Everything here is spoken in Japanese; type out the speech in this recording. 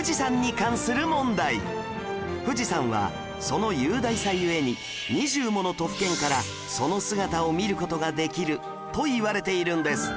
富士山はその雄大さ故に２０もの都府県からその姿を見る事ができるといわれているんです